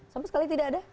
sama sekali tidak ada